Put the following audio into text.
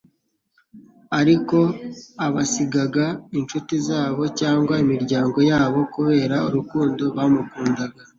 Ariko abasigaga inshuti zabo cyangwa imiryango yabo kubera urukundo bamukunda